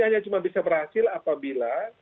hanya cuma bisa berhasil apabila